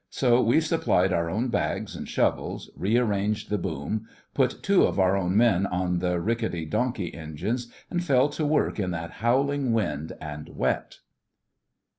So we supplied our own bags and shovels, rearranged the boom, put two of our own men on the rickety donkey engines, and fell to work in that howling wind and wet.